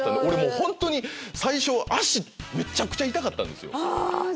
俺もうホントに最初足めちゃくちゃ痛かったんですよ。